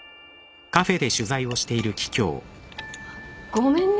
ごめんね。